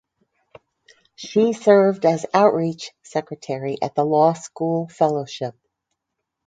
She served as Outreach Secretary at the Law School Fellowship.